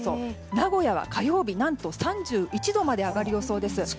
名古屋は火曜日何と３１度まで上がる予想です。